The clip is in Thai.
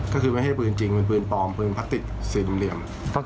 ก็คือไม่ให้พื้นจริงเป็นพื้นปลอมพื้นพลาติกสินเหลี่ยม